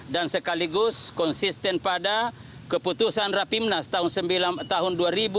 dan sekaligus konsisten pada keputusan rapimnas tahun dua ribu enam belas